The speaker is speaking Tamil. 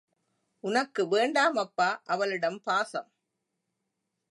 உனக்கு வேண்டாமப்பா அவளிடம் பாசம்!